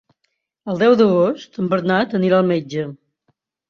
El deu d'agost en Bernat anirà al metge.